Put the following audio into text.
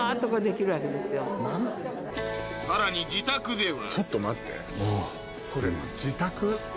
さらにちょっと待ってこれ自宅？